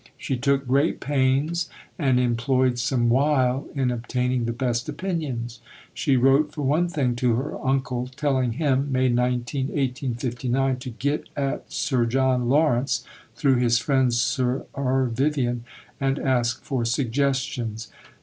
She took great pains, and employed some wile in obtaining the best opinions. She wrote, for one thing, to her uncle, telling him (May 19, 1859) to get at Sir John Lawrence, through his friend Sir R. Vivian, and ask for suggestions.